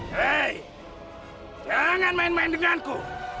hei jangan main main denganku